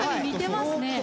似てますね。